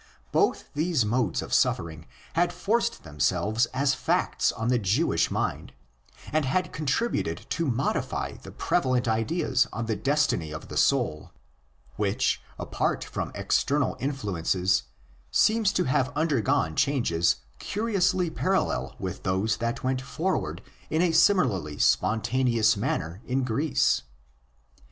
Both these modes of suffering had forced themselves as facts on the Jewish mind, and had contributed to modify the prevalent ideas on the destiny of the soul; which, apart from external influences, seem to have undergone changes curiously parallel with those that went forward in a similarly spontaneous manner in Greece.